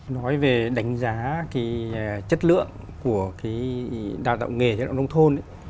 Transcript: nói về đánh giá cái chất lượng của cái đào tạo nghề chế độ nông thôn